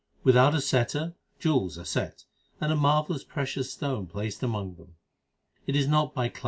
Without a setter jewels are set 11 and a marvellous precious stone 12 placed among them. 1 Dabua.